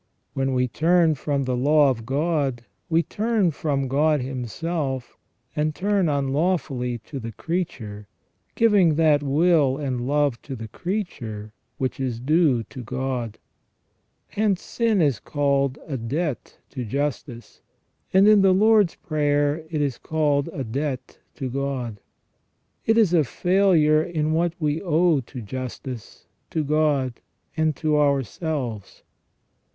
When we turn from the law of God, we turn from God Himself and turn unlawfully to the creature, giving that will and love to the creature which is due to God. Hence sin is called a debt to justice, and in the Lord's Prayer it is called a debt to God. It is a failure in what we owe to justice, to God, and to ourselves.